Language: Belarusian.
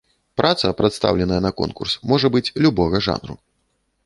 Праца, прадстаўленая на конкурс, можа быць любога жанру.